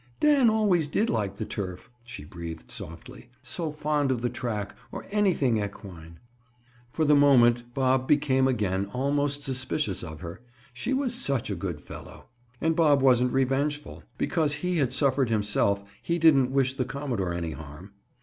"Dan always did like the turf," she breathed softly. "So fond of the track, or anything equine." For the moment Bob became again almost suspicious of her, she was such a "good fellow"! And Bob wasn't revengeful; because he had suffered himself he didn't wish the commodore any harm.